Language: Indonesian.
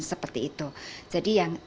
seperti itu jadi yang